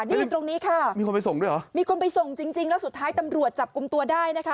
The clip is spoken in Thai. นี่ตรงนี้ค่ะมีคนไปส่งด้วยเหรอมีคนไปส่งจริงจริงแล้วสุดท้ายตำรวจจับกลุ่มตัวได้นะคะ